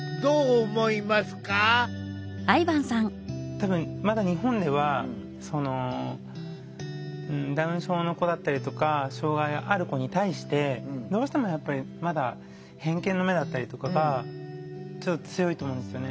多分まだ日本ではダウン症の子だったりとか障害がある子に対してどうしてもやっぱりまだ偏見の目だったりとかがちょっと強いと思うんですよね。